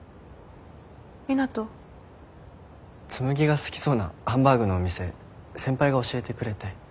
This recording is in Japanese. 紬が好きそうなハンバーグのお店先輩が教えてくれて。